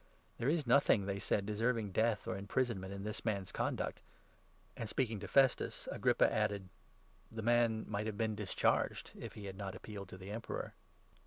"There is nothing," they said, "deserving death or im prisonment in this man's conduct "; and, speaking to Festus, 32 Agrippa added : "The man might have been discharged, if he had not appealed to the Emperor."